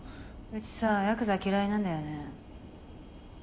うちさヤクザ嫌いなんだよね。